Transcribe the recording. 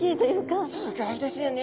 すギョいですよね。